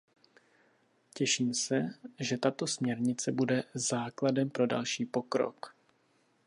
Těším se, že tato směrnice bude základempro další pokrok.